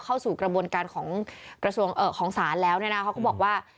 เข้าสู่กระบวนการของสารแล้วเนี่ยนะเขาก็บอกว่า